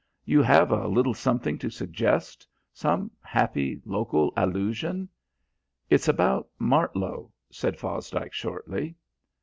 You have a little something to suggest? Some happy local allusion?" "It's about Martlow," said Fosdike shortly.